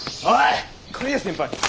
刈谷先輩！